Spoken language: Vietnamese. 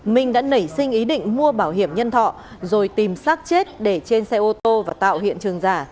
minh đã nảy sinh ý định mua bảo hiểm nhân thọ rồi tìm sát chết để trên xe ô tô và tạo hiện trường giả